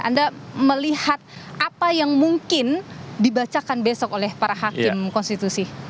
anda melihat apa yang mungkin dibacakan besok oleh para hakim konstitusi